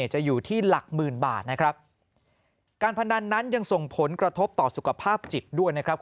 จะอยู่ที่หลักหมื่นบาทนะครับการพนันนั้นยังส่งผลกระทบต่อสุขภาพจิตด้วยนะครับ